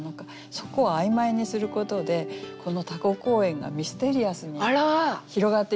そこを曖昧にすることでこのタコ公園がミステリアスに広がっていきませんか？